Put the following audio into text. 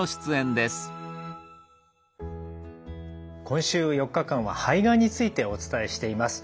今週４日間は肺がんについてお伝えしています。